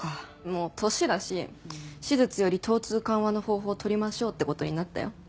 もう年だし手術より疼痛緩和の方法を取りましょうって事になったよ。